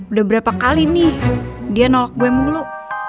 udah berapa kali nih dia nolak gue mulu